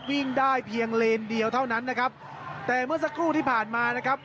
วิ่งได้เพียงเลนเดียวเท่านั้นนะครับแต่เมื่อสักครู่ที่ผ่านมานะครับ